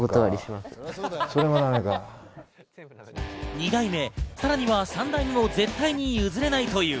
２代目、さらには３代目も絶対に譲れないという。